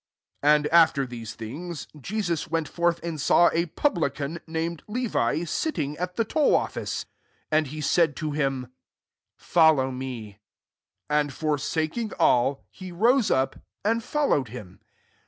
S7 And after these thtegs Jesus went forth and saw a pub lican, named Levi, sitting at the toll ofiice: and &e saiv tb LUKE VI. 115 him, Follow me." £8 And foraakiog alU he rose up^ and followed him.